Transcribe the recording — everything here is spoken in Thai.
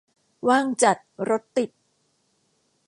ว่างจัด รถติด